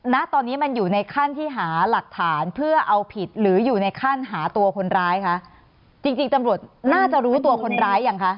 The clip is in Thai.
ณตอนนี้มันอยู่ในขั้นที่หาหลักฐานเพื่อเอาผิดหรืออยู่ในขั้นหาตัวคนร้ายคะจริงจริงตำรวจน่าจะรู้ตัวคนร้ายยังคะ